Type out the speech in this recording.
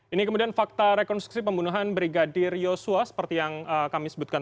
ini kemudian fakta rekonstruksi pembunuhan brigadir yosua seperti yang kami sebutkan